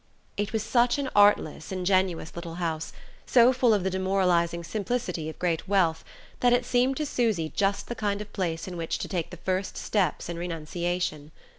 It was such an artless ingenuous little house, so full of the demoralizing simplicity of great wealth, that it seemed to Susy just the kind of place in which to take the first steps in renunciation.